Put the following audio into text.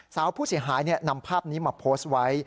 สาวผู้เสียหายนำภาพนี้มาโพสต์ไว้